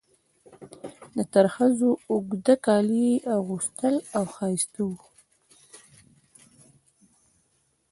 د ترخزو اوږده کالي یې اغوستل او ښایسته وو.